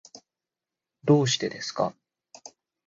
どうしてですか？